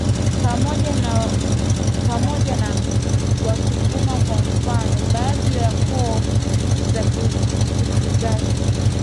pamoja na Wasukuma kwa mfano baadhi ya koo za Kizanaki